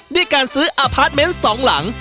ด้วยการซื้ออพาร์ทเมนต์สองหลัง